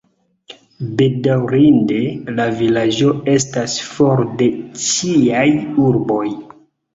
Bedaŭrinde, la vilaĝo estas for de ĉiaj urboj.